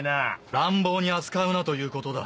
乱暴に扱うなということだ。